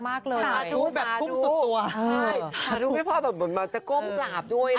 มันจะก้มกลาบด้วยนะ